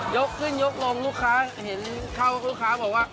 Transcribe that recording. ยกขึ้นยกลงลูกค้าเห็นเข้าครูพูดว่า